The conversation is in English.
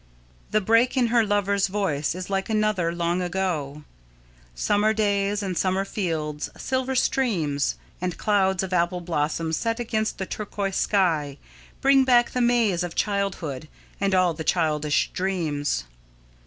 The break in her lover's voice is like another, long ago. Summer days and summer fields, silver streams, and clouds of apple blossoms set against the turquoise sky, bring back the Mays of childhood and all the childish dreams.